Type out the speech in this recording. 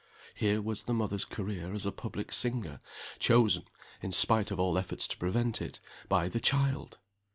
Here was the mother's career as a public singer, chosen (in spite of all efforts to prevent it) by the child!